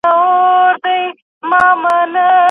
ځیني کسان بیا له تاریخي اشخاصو سره سخت مخالفت ښيي.